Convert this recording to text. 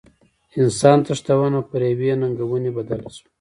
انسان تښتونه پر یوې ننګونې بدله شوه.